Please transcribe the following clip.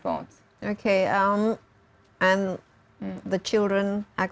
orang orang ini masih hidup